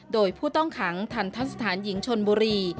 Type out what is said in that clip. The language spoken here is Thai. โดยผู้ต้องขังทันทะสถานหญิงชนบุรี